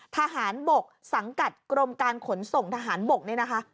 ทหารบกสังกัดกรมการขนส่งทหารบกนี่นะคะ